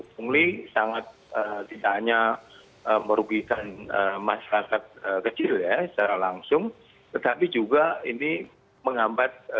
pungli sangat tidak hanya merugikan masyarakat kecil ya secara langsung tetapi juga ini menghambat